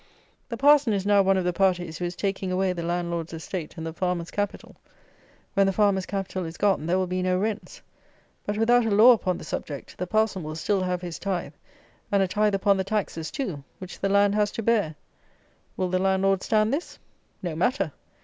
The parson is now one of the parties who is taking away the landlord's estate and the farmer's capital. When the farmer's capital is gone, there will be no rents; but, without a law upon the subject, the parson will still have his tithe, and a tithe upon the taxes too, which the land has to bear! Will the landlords stand this? No matter.